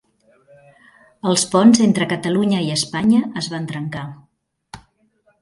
Els ponts entre Catalunya i Espanya es van trencar.